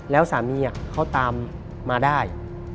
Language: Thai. แล้วสามีเขาตามมาได้